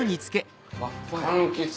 かんきつ。